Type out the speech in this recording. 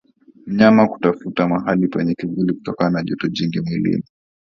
Mnyama kutafuta mahali penye kivuli kutokana na joto jingi mwilini